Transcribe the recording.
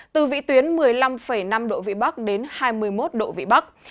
từ vị tuyến một mươi năm năm độ vị bắc đến hai mươi một độ vị bắc